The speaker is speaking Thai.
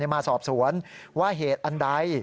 มาสอบสวนว่าเหตุอันใด